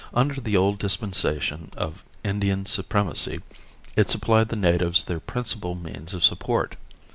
Under the old dispensation of Indian supremacy it supplied the natives their principal means of support.